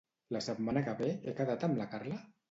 La setmana que ve he quedat amb la Carla?